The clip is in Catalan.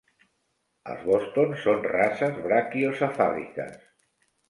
Els boston són races braquiocefàliques.